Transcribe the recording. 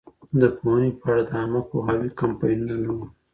د پوهنې په اړه د عامه پوهاوي کمپاینونه نه وو.